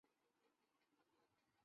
এখানেই ‘জয় হিন্দ’ স্লোগানের জন্ম।